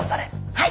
はい！